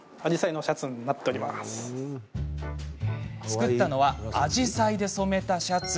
作ったのは紫陽花で染めたシャツ。